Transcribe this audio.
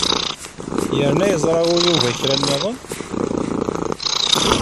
Yerna yerẓa Yuba kra nniḍen?